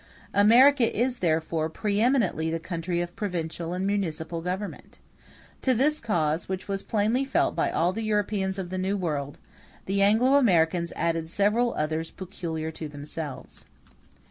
America is therefore pre eminently the country of provincial and municipal government. To this cause, which was plainly felt by all the Europeans of the New World, the Anglo Americans added several others peculiar to themselves.